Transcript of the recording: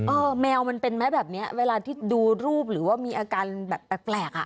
เออแมวมันเป็นมั้ยแบบนี้เวลาที่ดูรูปหรือว่ามีอาการแบบแปลก